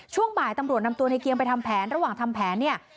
ช่วงบ่ายตำรวจนำตัวในเกียงไปทำแผนระหว่างทำแผนเนี่ย